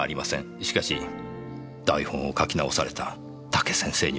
しかし台本を書き直された武先生にはあります。